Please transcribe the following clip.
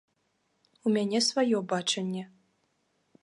У мяне сваё бачанне.